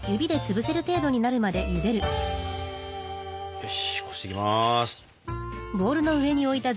よしこしていきます。